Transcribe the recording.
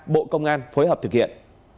bộ công an phối hợp thực hiện